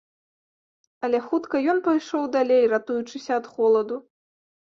Але хутка ён пайшоў далей, ратуючыся ад холаду.